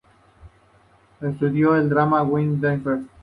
Estudió en el Drama With A Difference.